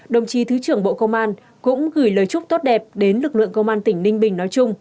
đồng chí thứ trưởng bộ công an cũng gửi lời chúc tốt đẹp đến lực lượng công an tỉnh ninh bình nói chung